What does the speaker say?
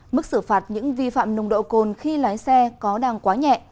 mức xử phạt những vi phạm nồng độ cồn khi lái xe có đang quá nhẹ